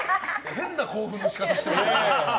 変な興奮の仕方してましたね。